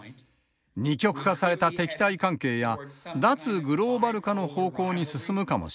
二極化された敵対関係や脱グローバル化の方向に進むかもしれません。